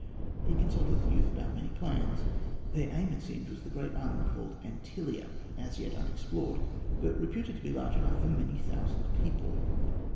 He consulted the youth about many plans. Their aim, it seemed, was the great island called Antillia, as yet unexplored, but reputed to be large enough for many thousand people.